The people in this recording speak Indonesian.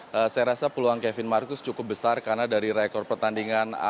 jadi saya rasa peluang kevin marcus cukup besar karena dari rekor pertandingan